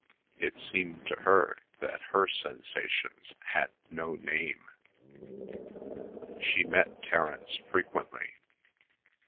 It seemed to her that her sensations had no name. She met Terence frequently.